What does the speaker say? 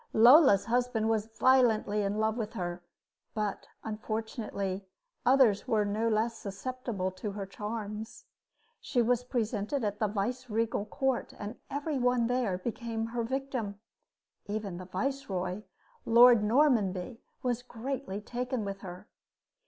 Lola's husband was violently in love with her, but, unfortunately, others were no less susceptible to her charms. She was presented at the vice regal court, and everybody there became her victim. Even the viceroy, Lord Normanby, was greatly taken with her.